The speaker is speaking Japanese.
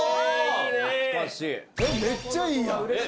えっめっちゃいいやん。